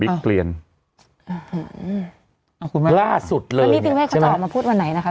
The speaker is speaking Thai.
บิ๊กเลียนอ๋อเอาคุณมาล่าสุดเลยแล้วนิติเวทเขาจะออกมาพูดวันไหนนะคะ